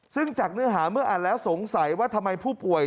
ซึ่งจากเนื้อหาเมื่ออ่านแล้วสงสัยว่าทำไมผู้ป่วย